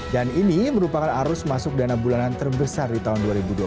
dan ini merupakan arus masuk dana bulanan terbesar di tahun dua ribu dua puluh dua